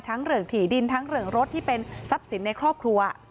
เรื่องถี่ดินทั้งเรื่องรถที่เป็นทรัพย์สินในครอบครัว